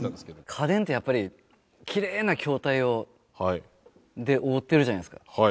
家電ってやっぱりきれいな筐体で覆ってるじゃないですか。